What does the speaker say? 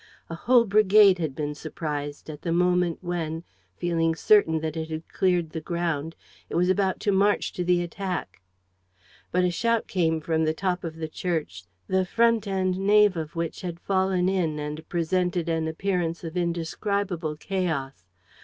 A whole brigade had been surprised at the moment, when, feeling certain that it had cleared the ground, it was about to march to the attack. But a shout came from the top of the church, the front and nave of which had fallen in and presented an appearance of indescribable chaos.